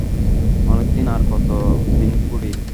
অনেক দিন আর কত, দিন কুড়ি।